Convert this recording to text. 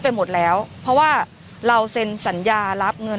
หลากหลายรอดอย่างเดียว